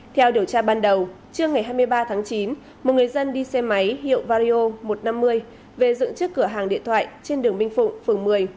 theo điều tra ban đầu trưa ngày hai mươi ba tháng chín một người dân đi xe máy hiệu vario một trăm năm mươi về dựng trước cửa hàng điện thoại trên đường minh phụng phường một mươi